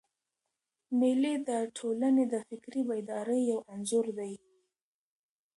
مېلې د ټولني د فکري بیدارۍ یو انځور دئ.